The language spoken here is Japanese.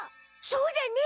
そうだね。